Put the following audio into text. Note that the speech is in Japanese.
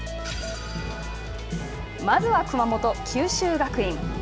まずは熊本、九州学院。